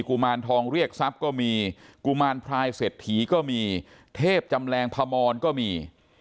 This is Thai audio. ุมารทองเรียกทรัพย์ก็มีกุมารพลายเศรษฐีก็มีเทพจำแรงพมรก็มี